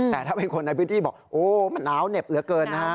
แต่ถ้าเป็นคนในพื้นที่บอกโอ้มันหนาวเหน็บเหลือเกินนะฮะ